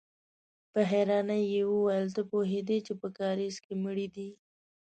په حيرانۍ يې وويل: ته پوهېدې چې په کاريزه کې مړی دی؟